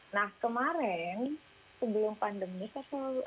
nah kemarin sebelum pandemi saya selalu